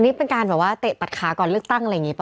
นี่เป็นการแบบว่าเตะตัดขาก่อนเลือกตั้งอะไรอย่างนี้ป่